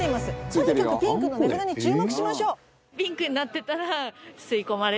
とにかくピンクの値札に注目しましょう。